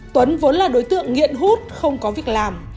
tuấn vốn là đối tượng nghiện hút không có việc làm